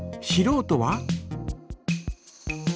しろうとは？